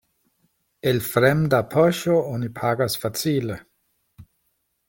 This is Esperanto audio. El fremda poŝo oni pagas facile.